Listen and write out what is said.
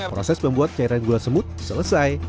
proses membuat cairan gula semut selesai